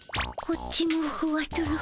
こっちもふわとろ。